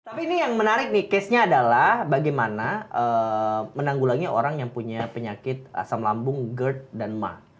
tapi ini yang menarik nih case nya adalah bagaimana menanggulangi orang yang punya penyakit asam lambung gerd dan mark